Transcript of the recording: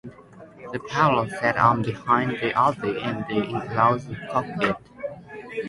The pilots sat one behind the other in the enclosed cockpit.